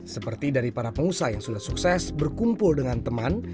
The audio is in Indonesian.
seperti dari para pengusaha yang sudah sukses berkumpul dengan teman